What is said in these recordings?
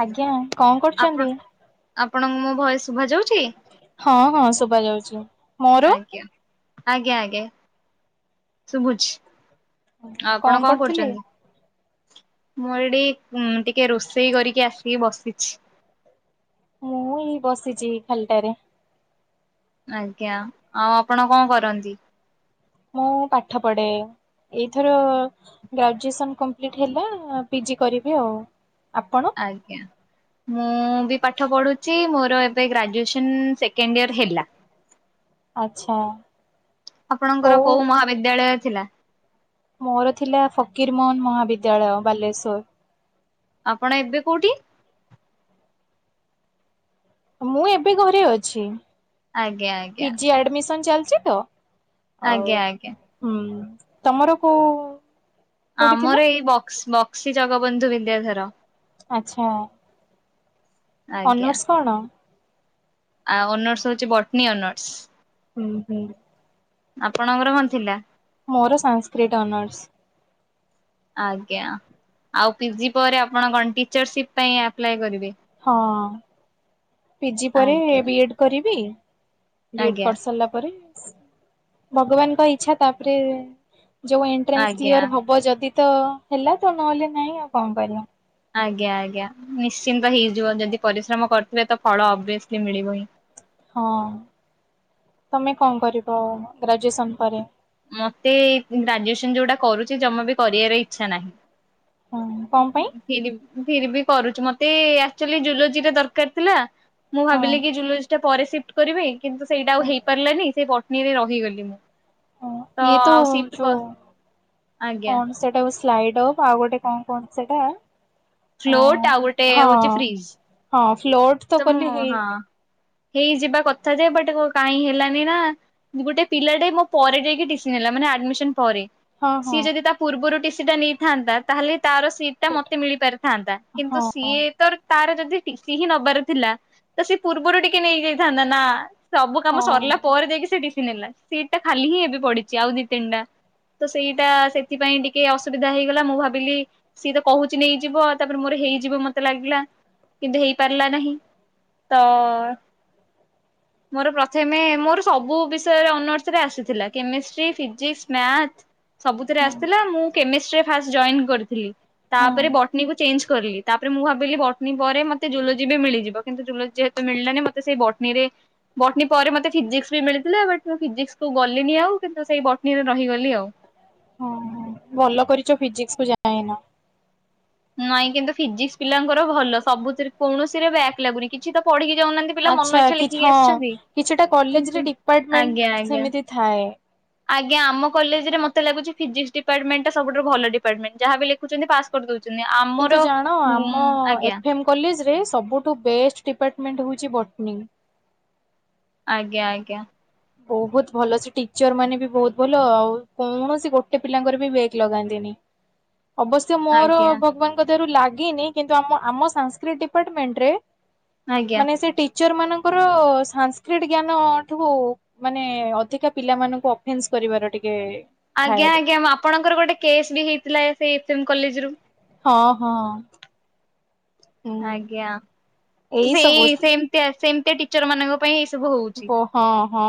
ଆଜ୍ଞା କଣ କରୁଛନ୍ତି? ଆପଣ ଆପଣ ମୁଁ ଭଏସ ଶୁଭାଯାଉ ହଁ -ହଁ ଶୁଭାଯାଉଛି। ଆଜ୍ଞା-ଆଜ୍ଞା-ଆଜ୍ଞା ଶୁଭୁଛି। ଆପଣ କଣ କରୁଛନ୍ତି? ମୋର ଏଠି ଉଁ ଟିକେ ରୋଷେଇ କରିକି ଆସିକି ବସିଛି। ମୁଁ ଏଇ ବସିଛି ଖାଲିଟାରେ। ଆଜ୍ଞା ଆଉ ଆପଣ କଣ କରନ୍ତି? ମୁଁ ପାଠ ପଢ଼େ। ଏଇଥର ଗ୍ରାଜୁଏସନ କମ୍ପଲିଟ ହେଲା, ପି ଜି କରିବି ଆଉ। ଆପଣ? ଆଜ୍ଞା। ମୁଁ ବି ପାଠ ପଢୁଛି, ମୋର ଏବେ ଗ୍ରାଜୁଏସନ ସେକେଣ୍ଡ ଇୟର ହେଲା। ଆଚ୍ଛା। ଆପଣଙ୍କର କୋଉ ମହାବିଦ୍ୟାଳୟ ଥିଲା? ମୋର ଥିଲା ଫକୀର ମୋହନ ମହାବିଦ୍ୟାଳୟ, ବାଲେଶ୍ଵର। ଆପଣ ଏବେ କୋଉଠି? ମୁଁ ଏବେ ଘରେ ଅଛି, ଆଜ୍ଞା ପି ଆଜ୍ଞା ଜି ଆଡମିସନ ଚାଲିଛି ତ। ଆଜ୍ଞା ଆଉ, ଆଜ୍ଞା ହୁଁ ତମର କୋଉ କୋଉଠି ଥିଲା ଆମର ଏଇ ବକ୍ ବକ୍ସି ଜଗବନ୍ଧୁ ବିଦ୍ୟାଧର। ଆଚ୍ଛା। ଅନର୍ସ୍ କଣ? ଆ ଅନର୍ସ ହଉଚି ବଟନୀ ଅନର୍ସ। ହୁଁ ହୁଁ। ଆପଣଙ୍କର କଣ ଥିଲା? ମୋର ସାସ୍କ୍ରିଟ୍ ଅନର୍ସ। ଆଜ୍ଞା, ଆଉ ପିଜି ପରେ ଆପଣ କଣ ଟିଚରସିପ ପାଇଁ ଆପ୍ଲାଏ କରିବେ? ହଁ ପିଜି ପରେ ଆଜ୍ଞା ବି ଏ ଡ କରିବି। ବି ଏ ଡ ଆଜ୍ଞା କରି ସାରିଲା ପରେ? ଭଗବାନଙ୍କ ଇଛା ତାପରେ ଯୋଉ ଏଣ୍ଟ୍ରାନ୍ସ ଆଜ୍ଞା। କ୍ଲିୟର ହବ ଯଦି ତ ହେଲା ତ, ନହେଲେ ନାଇଁ ଆଉ କଣ କରିବା। ଆଜ୍ଞା ଆଜ୍ଞା ନିଶ୍ଚିନ୍ତ ହେଇଯିବ, ଯଦି ପରିଶ୍ରମ କରୁଥିବେ ତ ଫଳ ଅଭିଅସଲି ମିଳିବ ହିଁ। ହଁ, ତମେ କଣ କରିବ ଗ୍ରାଜୁଏସନ ପରେ? ମତେ ଗ୍ରାଜୁଏସନ ଯୋଉଟା କରୁଛି ଜମା ବି କରିବାର ଇଚ୍ଛା ହଁ କଣ ନାହିଁ। ପାଇଁ ଫିର ଫିର୍ଭି କରୁଛି, ମତେ ଏକ୍ଟୁଆଲି ଜୁଲୋଜିା ଦରକାର ଥିଲା, ମୁଁ ହଁ ଭାବିଲି କି ଯୁଲୋଜି ଟା ପରେ ସିଫ୍ଟ କରିବି କିନ୍ତୁ ସେଇଟା ହଁ ଆଉ ହେଇପାରିଲାନି ସେଇ ବଟନୀରେ ରହିଗଲି ମୁଁ। ହ ଇଏ ତ ଆଉ ସିଫ୍ଟ କ ଯୋ ଆଜ୍ଞା କଣ ସେଟା ବସି ସ୍ଲାଇଡ୍ ଅଫ ଆଉ ଗୋଟେ କଣ କହନ୍ତି ସେଇଟା? ଫ୍ଲୋଟ୍ ଆଉ ଗୋଟେ ହଉଛି ଫ୍ରିଜ୍। ହଁ ଫ୍ଲୋଟ ତ କଲେ ହେଇ ହେଇଯିବା କଥା ଯେ ବଟ କାଇ ହେଲାନି ନା, ଗୋଟେ ପିଲାଟେ ମୋ ପରେ ଯାଇକି ଟିସି ନେଲା ମାନେ ମାନେ ଆଡ଼ମିଶନ ପରେ। ହଁ ସିଏ ଯଦି ହଁ ତା ପୂର୍ବରୁ ଟିସିି ଟା ନେଇଥାନ୍ତା ତାହେଲେ ତାର ସିଟ ଟା ମତେ ମିଳିପାରିଥାନ୍ତା। କିନ୍ତୁ ହଁ ସିଏ ତ ତାର ଯଦି ଟିସି ହିଁ ନବାର ଥିଲା ତ ସେ ପୂର୍ବରୁ ଟିକେ ନେଇ ଯାଇଥାନ୍ତା ନା। ସବୁ କାମ ହଁ ସରିଲା ପରେ ଯାଇକି ସେ ଟି ସି ନେଲା, ସିଟ ଟା ଖାଲି ହିଁ ଏବେ ପଡିଛି ଆଉ ଦିଇ ତିନିଟା। ତ ସେଇଟା ସେଥିପାଇଁ ଟିକେ ଅସୁବିଧା ହେଇଗଲା। ମୁଁ ଭାବିଲି ସିଏ ତ କହୁଚି ନେଇଯିବ ତାପରେ ମୋର ହେଇଯିବ ମତେ ଲାଗିଲା କିନ୍ତୁ ହେଇପାରିଲା ନାହିଁ, ତ [inaudible] ମୋର ପ୍ରଥମେ ମୋର ସବୁ ବିଷୟରେ ଅନର୍ସରେ ଆସିଥିଲା। କେମେଷ୍ଟ୍ରୀ ଫିଜିକ୍ସ ମ୍ୟାଥ ସବୁଥିରେ ହଁ ଆସିଥିଲା। ମୁଁ କେମେଷ୍ଟ୍ରୀ ରେ ଫାଷ୍ଟ ଜଏନ୍ କରିଥିଲି। ହଁ ତାପରେ ବଟନୀକୁ ଚେଞ୍ଜ କରଲି। ତାପରେ ମୁଁ ଭାବିଲି ବଟନୀ ପରେ ମତେ ଯୁଲୋଜୀ ବି ମିଳିଯିବ। କିନ୍ତୁ ଜୁଲୋଜି ଯେହେତୁ ମିଳିଲାନି ମତେ ସେଇ ବଟନୀରେ ବଟନୀ ପରେ ମତେ ଫିଜିକ୍ସ ବି ମିଳିଥିଲା ବଟ୍ ମୁଁ ଫିଜିକସକୁ ଗଲିନି ଆଉ କିନ୍ତୁ ସେଇ ବଟନୀରେ ରହିଗଲି ଆଉ। ହ ହଁ ଭଲ କରିଚ ଫିଜିକସକୁୁ ଯାଇନ। ନାଇଁ କିନ୍ତୁ ଫିଜିକ୍ସ ପିଲାଙ୍କର ଭଲ ସବୁଥିରେ କୌଣସି ରେ ବ୍ୟାକ୍ ଲାଗୁନି। କିଛି ତ ପଢିକି ଯାଉନାନ୍ତି ପିଲା ମନ ଆଚ୍ଛା ଇଚ୍ଛା କି ଲେଖିକି ହଁ ଆସିଛନ୍ତି କିଛିଟା କଲେଜରେ କିନ୍ତୁ ଆଜ୍ଞା ଡିପାର୍ଟମେଣ୍ଟ ଆଜ୍ଞା। ସେମିତି ଥାଏ। ଆଜ୍ଞା ଆମ କଲେଜ୍ ରେ ମତେଲାଗୁଛି ଫିଜିକ୍ସ ଡିପାର୍ଟମେଣ୍ଟ ଟା ସବୁଠାରୁ ଭଲ ଡିପାର୍ଟମେଣ୍ଟ। ଯାହା ବି ଲେଖୁଚନ୍ତି ପାସ୍ କରିଦଉଛ କିନ୍ତୁ ଜାଣ ଆମ ଆଜ୍ଞା ଏଫ ମ କଲେଜରେ ସବୁଠୁ ବେଷ୍ଟ ଡିପାଟ ମେଣ୍ଟ ହଉଚି ବଟନି। ଆଜ୍ଞା ଆଜ୍ଞା। ବହୁତ ଭଲ ସେ ଟିଚର ମାନେ ବି ବହୁତ ଭଲ ଆଉ କୌଣସି ଗୋଟେ ପିଲାଙ୍କର ବି ବ୍ୟାକ୍ ଲଗାନ୍ତିନି। [inaudible] ଅବଶ୍ୟ ମୋର ଆଜ୍ଞା ଭଗବାନଙ୍କ ଦୟାରୁ ଲାଗିନି କିନ୍ତୁ ଆମ ଆମ ସାନସ୍କ୍ରିଟ ଡିପାର୍ଟମେଣ୍ଟରେ ଆଜ୍ଞା ମାନେ ସେ ଟିଚର ମାନଙ୍କର ସାନସ୍କ୍ରିଟ ଜ୍ଞାନଠୁ ମାନେ ଅଧିକା ପିଲାମାନଙ୍କୁ ଅଫେନ୍ସ କରିବାର ଟିକେ ଥାଏ। ଆଜ୍ଞା ଆଜ୍ଞା ଆପଣଙ୍କର ଗୋଟେ କେସ୍ ବି ହେଇଥିଲା ସେ ଏଫ୍ ଏମ୍ କଲେଜ ରୁ ହଁ ହଁ। ହୁଁ ଆଜ୍ଞା ଏଇ ସବୁ ସେଇ ସେମତିଆ ସେମେତିଆ ଟିଚର ମାନଙ୍କ ପାଇଁ ସବୁ ହଉଛି ବୋ ହଁ ହଁ।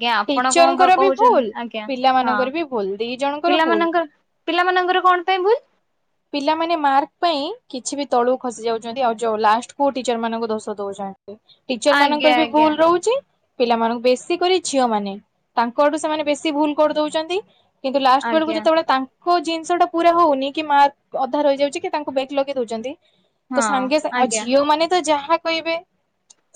ଆଜ୍ଞା ଆପଣ କଣ ଟିଚରଙ୍କର ବି କହୁଚନ୍ତି ଭୁଲ ଆଜ୍ଞା ହଁ ପିଲାମାନଙ୍କର ବି ଭୁଲ ଦି ଜଣଙ୍କର ଭୁଲ ପିଲାମାନଙ୍କ ପିଲାମାନଙ୍କର କଣ ପାଇଁ ଭୁଲ ପିଲାମାନେ ମାର୍କ ପାଇଁ କିଛି ବି ତଳକୁ ଖସି ଯାଉଛନ୍ତି ଆଉ ଯୋଉ ଲାଷ୍ଟ କୁ ଟିଚର ମାନଙ୍କୁ ଦୋଷ ଦଉଛନ୍ତି। ଟିଚର ଆଜ୍ଞା ମାନଙ୍କର ବି ଆଜ୍ଞା ଭୁଲ ରହୁଚି ପିଲାମାନଙ୍କୁ ବେଶୀ କରି ଝିଅ ମାନେ ତାଙ୍କଠୁ ସେମାନେ ବେଶୀ ଭୁଲ କରିଦଉଚନ୍ତି। କିନ୍ତୁ ଲାଷ୍ଟ ବେଳକୁ ଆଜ୍ଞା ଯେତେବେଳେ ତାଙ୍କ ଜିନିଷ ଟା ପୁରା ହଉନି କି ମାର୍କ ଅଧା ରଇଯାଉଚି କି ତାଙ୍କୁ ବେଟ ଲଗେଇ ଦଉଛନ୍ତି ହଁ ତ ସାଙ୍ଗେ ସାଙ୍ଗ ଆଉ ଆଜ୍ଞା ଝିଅ ମାନେ ତ ଯାହା ହା କହିବେ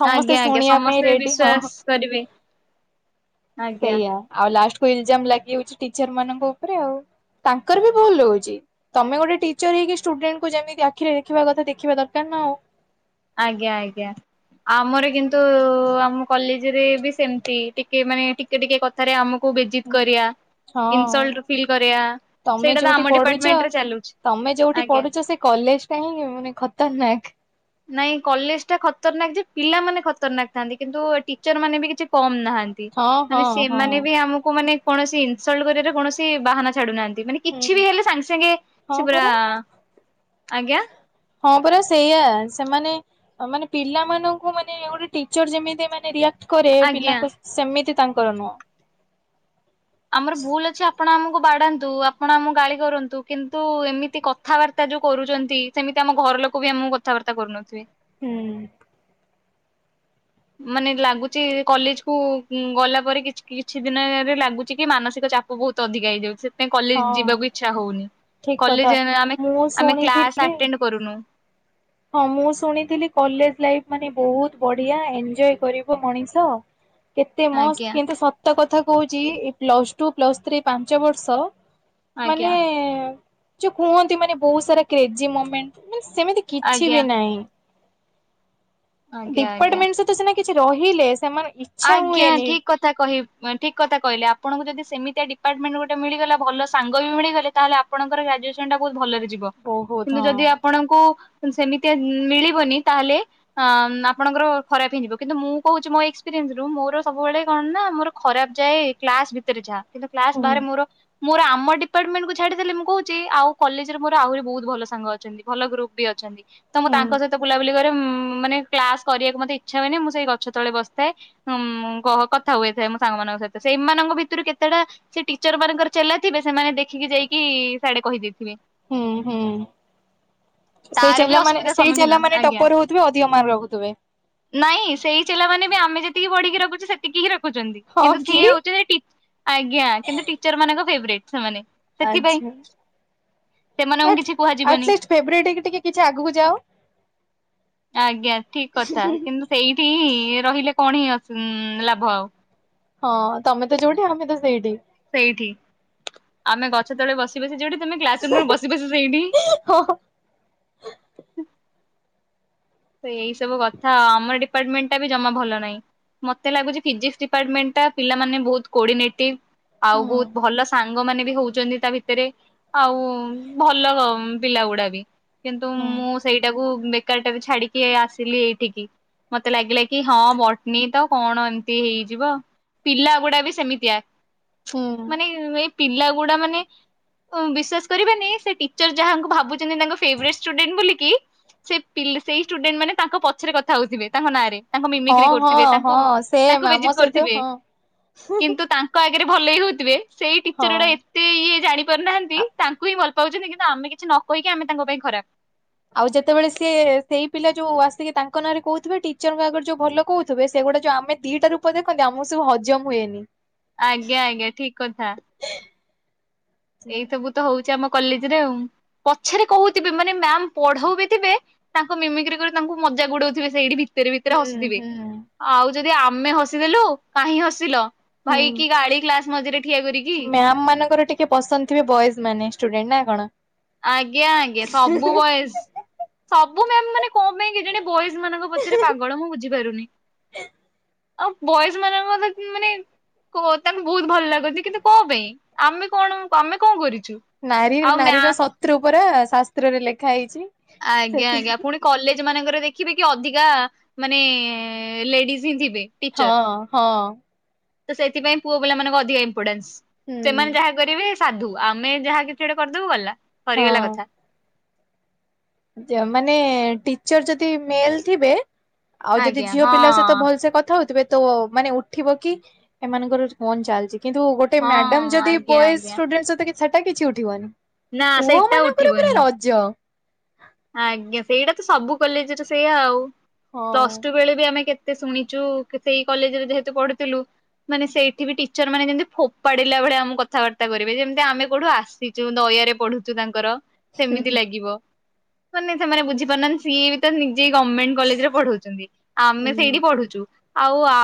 ସମସ୍ତେ ଆଜ୍ଞା ଆଜ୍ଞା ଶୁଣିବା ପାଇଁ ସମସ୍ତେ ରେଡି ହଁହଁ ବିଶ୍ଵାସ କରିବେ ଆଜ୍ଞା ସେଇଆା ଆଉ ଲାଷ୍ଟ ଫୁଲ ଜାମ୍ ଲାଗି ହଉଛି ଟିଚର ମାନଙ୍କ ଉପରେ ଆଉ ତାଙ୍କର ବି ଭୁଲ ରହୁଚି। ତମେ ଗୋଟେ ଟିଚର ହେଇକି ଷ୍ଟୁଡେଣ୍ଟକୁ ଯେମିତି ଆଖିରେ ଦେଖିବା କଥା ଦେଖିବା ଦରକାର ନା ଆଉ। ଆଜ୍ଞା ଆଜ୍ଞା। ଆମର କିନ୍ତୁ ଆମ କଲେଜରେ ବି ସେମତି ଟିକେ ମାନେ ଟିକେ ଟିକେ କଥାରେ ଆମ କୁ ବେଜିତ କରିବା ହଁ ଇନସଲ୍ଟ ଫିଲ୍ କରେଇବା ତମେ ସେଇଟା ତ ଯୋଉଠି ଆମ ପଢୁଛ ଡିପାର୍ଟମେଣ୍ଟରେ ଚାଲୁଛି। ତମେ ଯୋଉଠି ଆଜ୍ଞା। ପଢୁଛ ସେ କଲେଜ ଟା ହିଁ ମାନେ ଖତରନାକ। ନାଇଁ କଲେଜ ଟା ଖତରନାକ ଯେ ପିଲାମାନେ ଖତରନାକ ଥାନ୍ତି କିନ୍ତୁ ଟିଚର ମାନେ ବି କିଛି କମ୍ ନାହା ନ୍ତି ହଁ ହଁ ମାନେ ହଁ। ସେମାନେ ବି ଆମକୁ ମାନେ କୌଣସି ଇନସଲ୍ଟ କରିବାର କୌଣସି ବାହାନା ଛାଡୁନାହାନ୍ତି। ମାନେ ହୁଁ କିଛି ବି ହେଲେ ସାଙ୍ଗେ ସାଙ୍ଗେ ହଁ ସେ ପୁରା ପରା ଆଜ୍ଞା। ହଁ ପରା ସେଇଆ ସେମାନେ ମାନେ ପିଲାମାନଙ୍କୁ ମାନେ ଗୋଟେ ଟିଚର ଯେମିତି ମାନେ ରିଆ ରିଏକ୍ଟ କରେ ଆଜ୍ଞା ପିଲାଙ୍କ ସେମିତି ତାଙ୍କର ନୁହଁ ଆମର ଭୁଲ ଅଛି ଆପଣ ଆମ ବାଢାନ୍ତୁ ଆପଣ ଆମକୁ ଗାଳି କରନ୍ତୁ କିନ୍ତୁ ଏମିତି କଥାବାର୍ତ୍ତା ଯୋଉ କରୁଛନ୍ତି ସେମିତି ଆମ ଘ ର ଲୋକ ବି ଆମକୁ କଥାବାର୍ତ୍ତା କରୁନଥିବେ। ହୁଁ, ମାନେ ଲାଗୁଛି କଲେଜ କୁ ଗଲା ପରେ କି କିଛି ଦିନରେ ଲାଗୁଛି କି ମାନସିକ ଚାପ ବହୁତ ଅଧିକ ହେଇଯାଉଛି। କଲେଜ ହଁ। ଯିବାକୁ ଇଛା ହଉନି ଠିକ କଥା କଲେଜ୍ ଆମେ ମୁଁ ଆମେ କ୍ଲାସ ଶୁଣିଥିଲି ଆଟେଣ୍ଡ କରୁନୁ। ହଁ ମୁଁ ଶୁଣିଥିଲି କଲେଜ ଲାଇଫ ମାନେ ବହୁତ ବଢିଆ ଏଞଜୟ କରିବ ମଣିଷ। କେତେ ମସ୍ତ୍ ଆଜ୍ଞା କିନ୍ତୁ ସତ କଥା କହୁଛି ପ୍ଲସ ଟୁ ପ୍ଲସ୍ ଥ୍ରୀ ପାଞ୍ଚ ବର୍ଷ ମାନେ ଆଜ୍ଞା ଯୋଉ କୁହନ୍ତି ମାନେ ବହୁତ ସାରା କ୍ରେଜି ମୋମେଣ୍ଟ ସେମିତି କି କିଛି ଆଜ୍ଞା। ବି ନାହିଁ। ଆଜ୍ଞା ଆଜ୍ଞା ଡିପାର୍ଟମେଣ୍ଟ ସହିତ ସିନା କିଛି ରହିଲେ ସେମାନେ ଇଚ୍ଛା ଆଜ୍ଞା ହୁଏନି ଠିକ କଥା କହି ଠିକ କଥା କହିଲେ ଆପଣଙ୍କୁ ଯଦି ସେମିତିଆ ଡିପାର୍ଟମେଣ୍ଟ ଗୋଟେ ମିଳିଗଲା ଭଲ ସାଙ୍ଗ ବି ମିଳିଗଲେ ତାହେଲେ ଆଣଙ୍କ ଗ୍ରାଜୁଏସନ ଟା ବହୁତ ଭଲରେ ଯିବ ବହୁତ ହେଲେ ଯଦି ଆପଣଙ୍କୁ ସେମିତିଆ ମିଳିବନି ତାହେଲେ ଆପଣଙ୍କର ଖରାପ ହେଇଯିବ କିନ୍ତୁ ମୁଁ କହୁଛି ମୋ ଏକ୍ସ ଏକ୍ସପ୍ରିଏନ୍ସରୁ ମୋର ସବୁବେଳେ କଣ ନା ମୋର ଖରାପ ଯାଏ କ୍ଲାସ ଭିତରେ ଯାହା କିନ୍ତୁ କ୍ଲାସ ହଁ। ହୁଁ ବାହାରେ ମୋର ମୋର ଆମ ଡିପାର୍ଟମେଣ୍ଟ କୁ ଛାଡିଦେଲେ ମୁଁ କହୁଛି ଆଉ କଲେଜରେ ମୋର ଆହୁରି ବହୁତ ଭଲ ସାଙ୍ଗ ଅଛନ୍ତି ଭଲ ଗ୍ରୁପ ବି ଅଛନ୍ତି। ତ ମୁଁ ହୁଁ ତାଙ୍କ ସହିତ ବୁଲାବୁଲି କରେ ମାନେ କ୍ଲାସ କରିବାକୁ ମୋତେ ଇଚ୍ଛା ହୁଏନି ମୁଁ ସେଇ ଗଛ ତଳେ ବସି ଥାଏ କଥା ହୁଏ ମୋ ସାଙ୍ଗ ମାନଙ୍କ ସହିତ ସେଇମାନଙ୍କ ଭିତରୁ କେତେଟା ସେ ଟିଚର ମାନଙ୍କର ଚେଲା ଥିବେ ସେମାନେ ଦେଖିକି ଯାଇକି ସାଆଡେ କହିଦେଇ ହୁଁ ହୁଁ, ସେଇ ତାର ବି ଚାଲା ମାନେ ଅସୁବିଧା ସେଇ ସମ୍ମୁଖୀନ ଚାଲା ମାନେ ଆଜ୍ଞା। ଟପର ହଉଥିବେ ଅଧିକ ମାର୍କ ରଖୁଥିବେ। ନାଇଁ ସେଇ ଚେଲାମାନେ ବି ଆମେ ଯେତିକି ବଢିକି ରଖୁଚୁ ସେତିକି ହିଁ ରଖ ଛନ୍ତି ହଁ କିନ୍ତୁ କି? ସିଏ ହଉଛନ୍ତି ଟି ଆଜ୍ଞା କିନ୍ତୁ ଟିଚର ମାନଙ୍କ ଫେବରାଇଟ ସେମାନେ। ସେଥି ପାଇଁ। ଆଟ ଆସିଷ୍ଟ ଫେବରାଇଟ ଟିକେ କିଛି ଆଗକୁ ଯାଅ। ଆଜ୍ଞା ଠିକ କଥା କିନ୍ତୁ ସେଇଠି ହିଁ ରହି ହେଲେ କଣ ହିଁ ଲାଭ ଆଉ ହଁ ତମେ ତ ଯୋଉଠି ଆମେ ତ ସେଇଠି। ସେଇଠି ଆମେ ଗଛ ତଳେ ବସି ବସି ଯୋଉଠି। ତମେ କ୍ଲାସ ରୁମରେ ବସି ବସି ସେଇଠି। ହଁ ଏଇ ସବୁ କଥା ଆମର ଡିପାର୍ଟମେଣ୍ଟ ଟା ବି ଜମା ଭଲ ନାହିଁ। ମତେ ଲାଗୁଛି ଫିଜିକ୍ସ ଡିପାର୍ଟମେଣ୍ଟ ଟା ପିଲାମାନେ ବହୁତ କୋଡିନେଟିଭ ଆଉ ହଁ ବହୁତ ଭଲ ସା ସାଙ୍ଗ ମାନେ ବି ହଉଛନ୍ତି ତା ଭିତରେ ଆଉ ଭଲ ପିଲା ଗୁଡା ବି। କିନ୍ତୁ ହଁ। ମୁଁ ସେଇଟାକୁ ବେକାରଟାରେ ଛାଡ଼ିକି କିଏ ଆସିଲି ଏଇଠିକି ମତେ ଲାଗିଲା କି ହଁ ବଟନୀ ତ କଣ ଏମତି ହେଇଯିବ। ପିଲାଗୁଡା ବି ସେମିତିଆ ହୁଁ ମାନେ ଏଇ ପିଲାଗୁଡା ମାନେ ବିଶ୍ଵାସ କରିବେନି ସେ ଟିଚର ଯାହାଙ୍କୁ ଭାବୁଛନ୍ତି ତାଙ୍କ ଫେଭରାଇଟ ଷ୍ଟୁଡେଣ୍ଟ ବୋଲି କି ସେ ପି ସେଇ ଷ୍ଟୁଡେଣ୍ଟ ମାନେ ତାଙ୍କ ପଛରେ କଥା ହଉଥିବେ ତାଙ୍କ ନାଁ ରେ। ତାଙ୍କ ମିମିକିର ହଁ କରୁଥିବେ ହଁ ତାଙ୍କୁ ହଁ ସେମ୍ ତାଙ୍କୁ ଆମ ବେଜିତ୍ ସହିତ କରୁଥିବେ ହଁ କିନ୍ତୁ ତାଙ୍କ ଆ ଭଲେଇ ହୋଉଥିବେ ସେଇ ଟିଚର ଗୁଟା ହଁ। ଏତେ ଇଏ ଜାଣି ପାରୁନାହାନ୍ତି ଆ ତାଙ୍କୁ ହିଁ ଭଲ ପାଉଛନ୍ତି କିନ୍ତୁ ଆମେ କିଛି ନ କହିକି ଆମେ ତାଙ୍କ ପାଇଁକି ଖରାପ। ଆଉ ଯେତେବେଳେ ସିଏ ସେଇ ପିଲା ଯୋଉ ଆସିକି ତାଙ୍କ ନାଁରେ କହୁଥିବେ ଟିଚରଙ୍କ ଆଗରେ ଯୋଉ ଭଲ କହୁଥିବେ ସେ ଗୋଟେ ଯଉ ଆେ ଦିଟା ରୂପ ଦେଖନ୍ତି ଆମର ସବୁ ହଜମ ହୁଏନି। ଆଜ୍ଞା ଆଜ୍ଞା ଠିକ କଥା। ଏଇ ସବୁ ତ ହଉଛି ଆମକୁ କଲେଜରେ ଆଉ ପଛରେ କହୁଥିବେ ମାନେ ମ୍ୟାାମ ପଢଉବି ଥିବେ ତାଙ୍କ ମମିକ୍ରି କରି ତାଙ୍କୁ ମ ମଜାକ ଉଡଉଥିବେ ସେଇଠି। ଭିତରେ ଭିତରେ ହୁଁ ହସିଥିବେ ହୁଁ ଆଉ ଯଦି ଆମେ ହସିଦେଲୁ କାହିଁ ହସିଲ। ହୁଁ। ଭାଇ କି ଗାଳି କ୍ଲାସ ମଝିରେ ଠିଆ କରିକି ମ୍ୟାମ ମାନଙ୍କର ଟିକେ ପସନ୍ଦ ଥିବେ ବଏଜ ମାନେ ଷ୍ଟୁଡେଣ୍ଟ ନା କଣ। ଆଜ୍ଞା ଆଜ୍ଞା ସବୁ ବୟଜ ସବୁ ମ୍ୟାମ ମାନେ କଣ ପାଇଁ କେଜାଣି ବଏଜ ମାନଙ୍କ ପଛରେ ପାଗଳ ମୁଁ ବୁଝି ପାରୁନି। ଆଉ ବୟଜ ମାନଙ୍କ ମ ମାନେ ତାଙ୍କୁ ବହୁତ ଭଲ ଲାଗନ୍ତି କିନ୍ତୁ କଣ ପାଇଁ। ଆମେ କଣ ଆମେ କଣ କରିବୁ। ନାରୀ ନାରୀର ଶତ୍ରୁ ପରା ଶାସ୍ତ୍ରରେ ଲେଖା ହେଇଛି। ସେ ଆଜ୍ଞା ଆଜ୍ଞା ପୁଣି କଲେଜ ମାନଙ୍କରେ ଦେଖିବେ କି ଅଧିକା ମାନେ ଲେଡିଜ। ହିଁ ଥିବେ ଟିଚର। ହଁ ହଁ ତ ସେଥିପାଇଁ ପୁଅ ପିଲା ମାନଙ୍କ ଅଧିକ ଇମ୍ପୋର୍ଟାନ୍ସ ହୁଁ ସେମାନେ ଯାହା କରିବେ। ସାଧୁ ଆମେ ଯାହା କିଛି ଗୋଟେ କରିଦବୁ ଗଲା ସରିଗଲା ହଁ କଥା। ମାନେ ଟିଚର ଯଦି ମେଲ ଥିବେ ଆଉ ଯଦି ଆଜ୍ଞା ଝିଅ ହଁ ପିଲା ସହିତ ଭଲସେ କଥା ହଉଥିବେ ତ ମାନେ ଉଠିବ କି ଏମାନଙ୍କର କଣ ଚାଲିଚି କିନ୍ତୁ ଗୋଟେ ହଁ ମ୍ୟାଡାମ ଯଦି ଆଜ୍ଞା ବୟେଜ୍ ଆଜ୍ଞା ଷ୍ଟୁଡେଣ୍ଟ୍ ସହିତ ସେଟା କିଛି ଉଠିବନି। ନା ପୁଅ ସେଇଟା ମାନଙ୍କର ପୁରା ଉଠିବନି। ରଜ। ଆଜ୍ଞା ସେଇଟା ତ ସବୁ କଲେଜରେ ସେଇୟା ଆଉ ହଁ ପ୍ଲସ ଟୁ ବେଳେ ବି ଆମେ କେ ତେ ଶୁଣିଛୁ ସେଇ କଲେଜରେ ଯେହେତୁ ପଢୁଥିଲୁ। ମାନେ ସେଇଠି ବି ଟିଚର ମାନେ ଯେମିତି ଫୋପାଡିଲା ଭଳିଆ ଆମକୁ କଥାବାର୍ତ୍ତା କରିବେ ଯେମିତି ଆମେ କୋଉଠୁ ଆସିଚୁ ନ ଆରେ ପଢୁଛୁ ତାଙ୍କର ହୁଁ ସେମିତି ଲାଗିବ। ମାନେ ସେମାନେ ବୁଝିପାରୁ ନାହାଁନ୍ତି ସିଏବିତ ସେ ସେଇ ଗମେଣ୍ଟ କଲେଜରେ ପଢଉଛନ୍ତି ଆମେ ସେଇଠି ପଢୁଛୁ। ଆଉ ଆ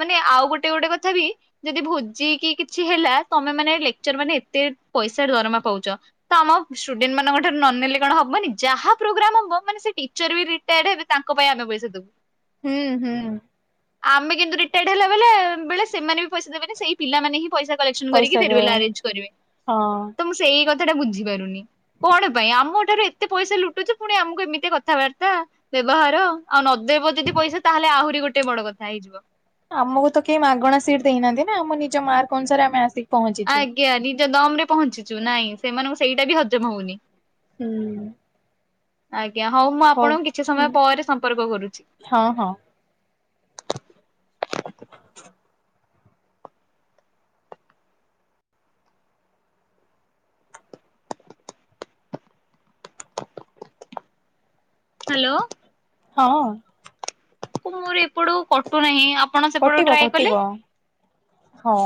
ମାନେ ଆଉ ଗୋଟେ ଗୋଟେ କଥା ବି ଯଦି ଭୋଜି କି କିଛି ହେଲା ତମେ ମାନେ ଲେ ଚର ମାନେ ଏତେ ପଇସା ଦରମା ପାଉଛ ତ ଆମ ଷ୍ଟୁଡେଣ୍ଟ ମାନଙ୍କ ଠାରୁ ନ ନେଲେ କଣ ହବନି। ଯାହା ପ୍ରୋଗ୍ରାମ ହବ ମାନେ ସେ ଟିଚର ବି ରିଟାୟାର୍ ହେବେ ତାଙ୍କ ପାଇଁ ଆମେ ପଇସା ଦେବୁ। ହୁଁ ହୁଁ ଆମେ କିନ୍ତୁ ରିଟାୟାର୍ଡ ହେଲା ବେଲେ ବେଳେ ସେମାନେ ବି ପଇସା ଦେବେନି ସେଇ ପିଲାମାନେ ହି ପଇସା କଲେସନ କରିକି ପଇସା ଫେରୱାଲ ଦେବେ ଆରେ୍ଜ କରିବେ ହଁ ତ ମୁଁ ସେଇ କଥା ଟା ବୁଝି ପାରୁନି। କଣ ପାଇଁ ଆମ ଠାରୁ ଏତେ ପଇସା ଲୁଟୁଛି ପୁଣି ଆମକୁ ଏମିତି କଥାବାର୍ତ୍ତା, ବ୍ୟବହାର। ଆଉ ନଦେବ ଯଦି ପଇସା ତାହେଲେ ଆହୁରି ଗୋଟେ ବଡ କଥା ହେଇଯିବ। ଆମକୁ ତ କେହି ମାଗଣା ସିଟ ଦେଇନାହାନ୍ତି ନା ଆମ ନିଜ ମାର୍କ ଅନୁସାରେ ଆମେ ଆସିକି ପହଞ୍ଚିଛୁ। ଆଜ୍ଞା ନିଜ ଦମ ରେ ପହଞ୍ଚିଚୁ ନାଇଁ ସେମାନଙ୍କୁ ସେଇଟା ବି ହଜମ ହଉନି। ହୁଁ। ଆଜ୍ଞା ହୋଉ ମୁଁ ହଉ ଆପଣଙ୍କୁ କିଛି ହୁଁ ସମୟ ପରେ ସମ୍ପର୍କ କରୁଚି। ହଁ ହଁ ହାଲୋ? ହଁ। ମୋର ଏପଟକୁ କଟୁନାହିଁ ଆପଣ ସେପଟୁ କଟିବ ଟ୍ରାଏ କଲେ। କଟିବ ହଁ।